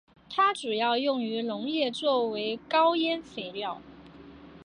它主要用于农业作为高氮肥料。